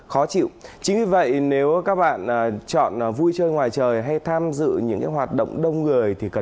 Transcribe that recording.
khó chịu chính vì vậy nếu các bạn chọn vui chơi ngoài trời hay tham dự những hoạt động đông người thì cần